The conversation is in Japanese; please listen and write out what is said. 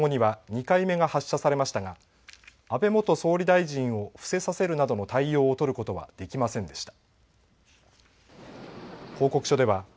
２．７秒後には２回目が発射されましたが安倍元総理大臣を伏せさせるなどの対応を取ることはできませんでした。